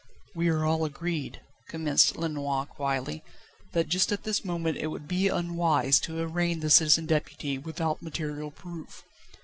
"We are all agreed," commenced Lenoir quietly, "that just at this moment it would be unwise to arraign the Citizen Deputy without material proof.